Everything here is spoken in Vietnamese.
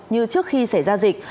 như trước khi xảy ra dịch